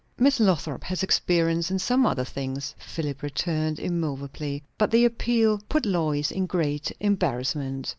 "Miss Lothrop has experience in some other things," Philip returned immoveably. But the appeal put Lois in great embarrassment.